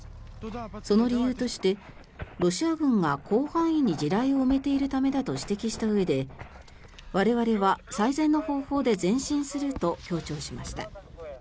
その理由としてロシア軍が広範囲に地雷を埋めているためだと指摘したうえで我々は最善の方法で前進すると強調しました。